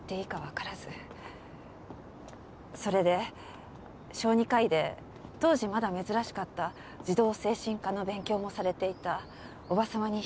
それで小児科医で当時まだ珍しかった児童精神科の勉強もされていた叔母様に引き取られたようです。